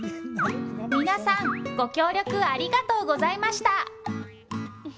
皆さん、ご協力ありがとうございました。